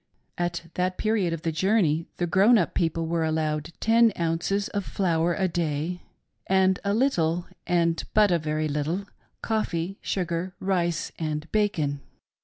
At that period of the journey the gro «rnT up people were allowed ten ounces of flour a day and a little — and but a very httle — coffee, sugar, rice, and bacon.